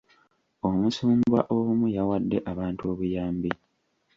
Omusumba omu yawadde abantu obuyambi.